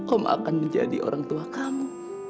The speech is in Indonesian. kaum akan menjadi orang tua kamu